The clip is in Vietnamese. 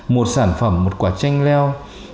một sản phẩm một quả chanh leo